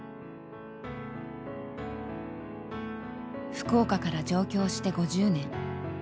福岡から上京して５０年。